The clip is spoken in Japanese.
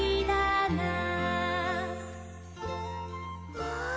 わあ！